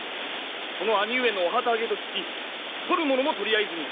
その兄上のお旗揚げと聞き取るものも取りあえずに。